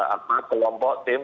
apa kelompok tim